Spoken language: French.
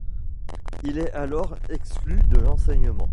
Il est alors exclu de l'enseignement.